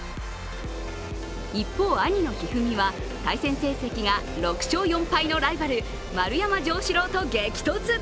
一方、兄の一二三は対戦成績が６勝４敗のライバル、丸山城志郎と激突。